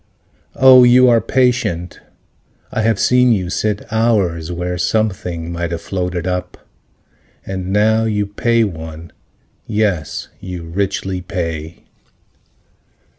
Oh, you are patient, I have seen you sit Hours, where something might have floated up. And now you pay one. Yes, you richly pay.